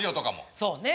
そうねえ。